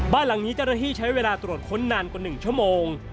บ้านหลังนี้เจ้าหน้าที่ใช้เวลาตรวจค้นนานกว่า๑ชั่วโมง